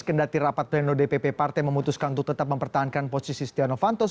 kendati rapat pleno dpp partai memutuskan untuk tetap mempertahankan posisi setia novanto